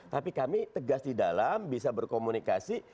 tapi kami tegas di dalam bisa berkomunikasi